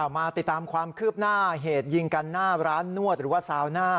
มาติดตามความคืบหน้าเหตุยิงกันหน้าร้านนวดหรือว่าซาวน่า